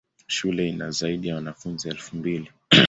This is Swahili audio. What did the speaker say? Shule ina zaidi ya wanafunzi elfu mbili.